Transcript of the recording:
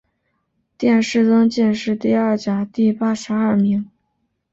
殿试登进士第二甲第八十二名。